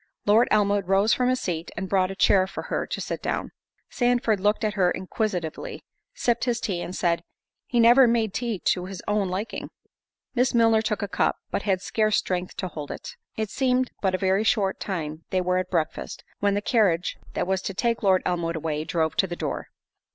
Lord Elmwood rose from his seat, and brought a chair for her to sit down. Sandford looked at her inquisitively, sipped his tea, and said, "He never made tea to his own liking." Miss Milner took a cup, but had scarce strength to hold it. It seemed but a very short time they were at breakfast, when the carriage, that was to take Lord Elmwood away, drove to the door.